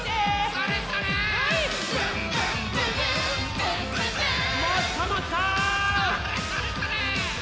それそれそれ！